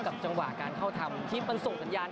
จังหวะการเข้าทำที่มันส่งสัญญาณ